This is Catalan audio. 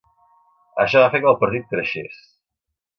Això va fer que el partit creixés.